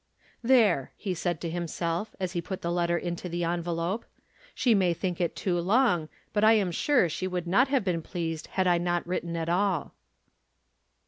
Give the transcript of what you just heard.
"There," he said to himself, as he put the letter into the envelope, "she may think it too long, but I am sure she would not have been pleased had I not written at all."